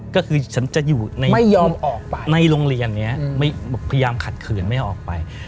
ก็คือฉันจะอยู่ในโรงเรียนนี้พยายามขัดขืนไม่ออกไปก็คือฉันจะอยู่ในโรงเรียนนี้พยายามขัดขืนไม่ออกไป